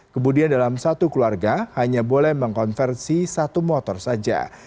kemudian dalam satu keluarga hanya boleh mengkonversi satu bulan